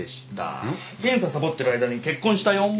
検査サボってる間に結婚したよん。